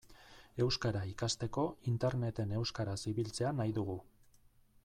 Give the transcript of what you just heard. Euskara ikasteko Interneten euskaraz ibiltzea nahi dugu.